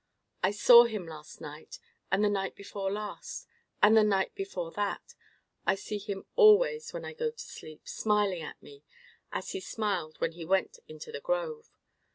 I saw him last night, and the night before last, and the night before that. I see him always when I go to sleep, smiling at me, as he smiled when we went into the grove.